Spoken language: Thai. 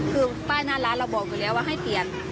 คือป้ายหน้าร้านเราบอกอยู่แล้วว่าให้เปลี่ยน